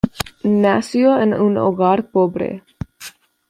Nació en un hogar pobre.